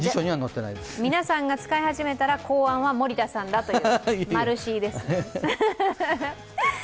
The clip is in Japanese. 皆さんが使い始めたら、考案は森田さんだという。